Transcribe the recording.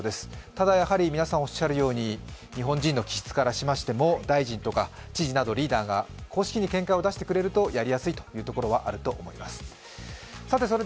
ただ、皆さんおっしゃるように日本人の気質からしましても大臣とか知事などリーダーが公式に見解を出してくれるとやりやすいというところはあると思います。